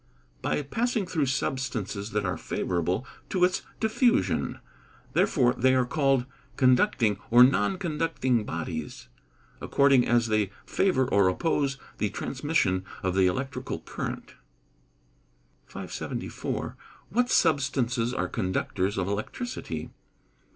_ By passing through substances that are favourable to its diffusion; therefore they are called conducting or non conducting bodies, according as they favour or oppose the transmission of the electrical current. 574. _What substances are conductors of electricity?